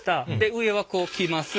上はこうきます。